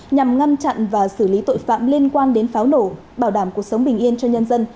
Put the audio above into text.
nhằm ngăn chặn và xử lý tội phạm liên quan đến pháo nổ bảo đảm cuộc sống bình yên cho nhân dân